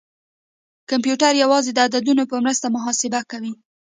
کمپیوټر یوازې د عددونو په مرسته محاسبه کوي.